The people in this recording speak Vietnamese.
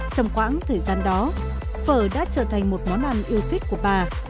trong quãng thời gian đó phở đã trở thành một món ăn yêu thích của bà